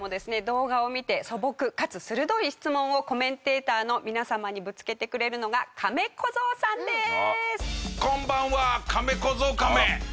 動画を見て素朴かつ鋭い質問をコメンテーターの皆様にぶつけてくれるのがカメ小僧さんです！